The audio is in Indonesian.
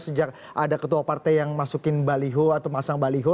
sejak ada ketua partai yang masukin baliho atau masang baliho